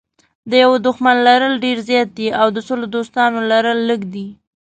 د یوه دښمن لرل ډېر زیات دي او د سلو دوستانو لرل لږ دي.